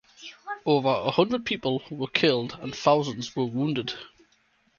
Over a hundred people were killed and thousands were wounded.